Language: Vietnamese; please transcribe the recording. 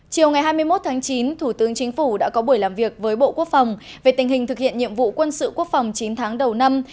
chiều ngày hai mươi một tháng chín thủ tướng chính phủ đã có buổi làm việc với bộ quốc phòng về tình hình thực hiện nhiệm vụ quân sự quốc phòng chín tháng đầu năm